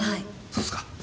そうすか？